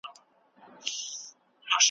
یو ناڅاپي غږ یې حافظه راوپاروله.